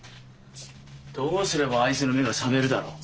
どうすればあいつの目が覚めるだろう？